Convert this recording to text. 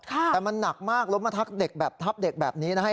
แต่มันหนักมากล้มมาทับเด็กแบบนี้นะครับ